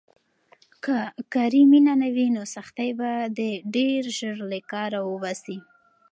که کاري مینه نه وي، نو سختۍ به دې ډېر ژر له کاره وباسي.